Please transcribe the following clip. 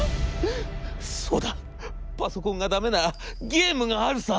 そうだパソコンが駄目ならゲームがあるさ』。